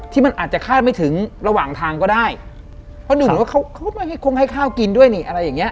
ที่มันอาจจะคาดไม่ถึงระหว่างทางก็ได้เพราะหนึ่งว่าเขาเขาก็ไม่ให้คงให้ข้าวกินด้วยนี่อะไรอย่างเงี้